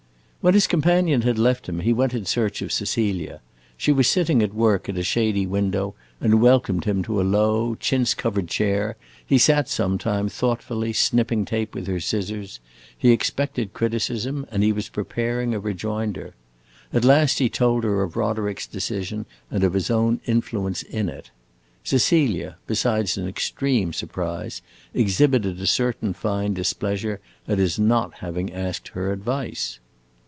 When his companion had left him he went in search of Cecilia. She was sitting at work at a shady window, and welcomed him to a low chintz covered chair. He sat some time, thoughtfully snipping tape with her scissors; he expected criticism and he was preparing a rejoinder. At last he told her of Roderick's decision and of his own influence in it. Cecilia, besides an extreme surprise, exhibited a certain fine displeasure at his not having asked her advice.